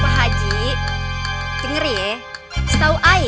pak haji denger ye setahu ayo